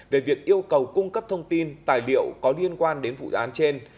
về việc yêu cầu cung cấp thông tin tài liệu có liên quan đến vụ án trên